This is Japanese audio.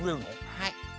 はい。